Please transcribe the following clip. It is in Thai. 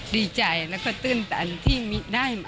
ดีใจแล้วก็ตื่นตันที่ได้